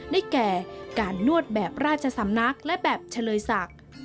ได้แก่การนวดแบบราชสำนักและแบบเฉลยศักดิ์